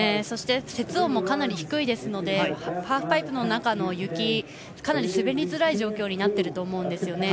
そして、雪温もかなり低いですのでハーフパイプの中の雪がかなり滑りづらい状況になっていると思います。